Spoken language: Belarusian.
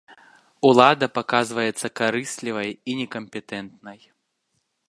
Улада паказваецца карыслівай і некампетэнтнай.